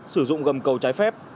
sử dụng gầm cầu trái phép